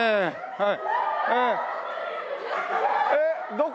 はい。